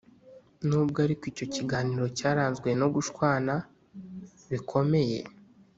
nubwo ariko icyo kiganiro cyaranzwe no gushwana bikomeye